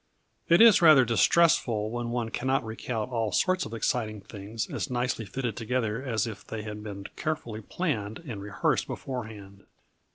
_ It is rather distressful when one cannot recount all sorts of exciting things as nicely fitted together as if they had been carefully planned and rehearsed beforehand.